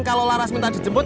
kalo laras minta dijemput